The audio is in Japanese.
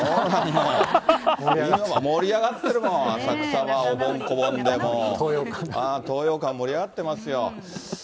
今は盛り上がってるもん、浅草は、おぼんこぼんで、もう。とうようかん、盛り上がってますよ。